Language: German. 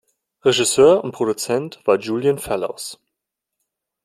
Regisseur und Produzent war Julian Fellows.